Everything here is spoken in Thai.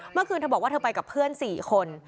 เมื่อคืนเธอบอกว่าเธอไปกับเพื่อน๔คน